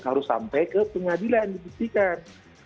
harus sampai ke pengadilan dibuktikan